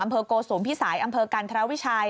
อำเภอโกศูมิภิสายอำเภอการธรรมวิชัย